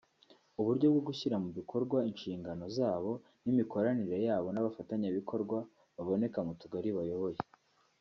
uburyo bwo gushyira mu bikorwa inshingano zabo n’imikoranire yabo n’abafatanyabikorwa baboneka mu tugari bayoboye